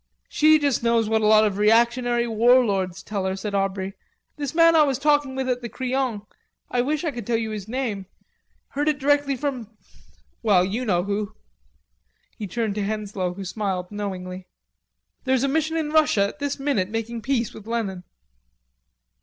"She just knows what a lot of reactionary warlords tell her," said Aubrey. "This man I was talking with at the Crillon I wish I could tell you his name heard it directly from...Well, you know who." He turned to Henslowe, who smiled knowingly. "There's a mission in Russia at this minute making peace with Lenin."